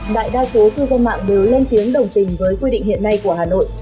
đại đa số cư dân mạng đều lên tiếng đồng tình với quy định hiện nay của hà nội